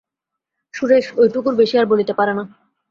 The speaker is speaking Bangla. সুরেশ ওইটুকুর বেশি আর বলিতে পারে না।